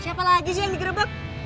siapa lagi sih yang digerebek